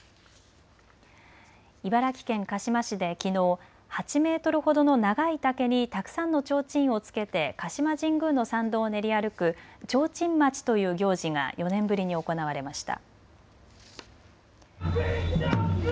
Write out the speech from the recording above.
茨城県鹿嶋市できのう、８メートルほどの長い竹にたくさんのちょうちんをつけて鹿島神宮の参道を練り歩く提灯まちという行事が４年ぶりに行われました。